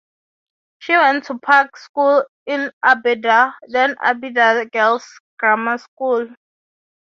She went to Park School in Aberdare, then Aberdare Girls' Grammar School.